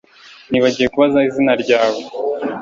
Nibagiwe kubaza izina ryawe